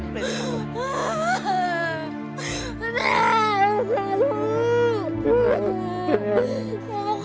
เป็นลูก